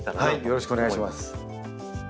よろしくお願いします。